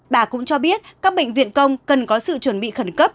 bà cũng cho biết các bệnh viện công cần có sự chuẩn bị khẩn cấp